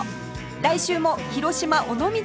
来週も広島尾道